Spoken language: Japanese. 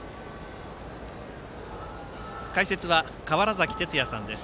解説は川原崎哲也さんです。